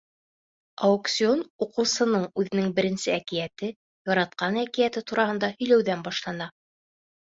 Аукцион уҡыусының үҙенең беренсе әкиәте, яратҡан әкиәте тураһында һөйләүҙән башлана.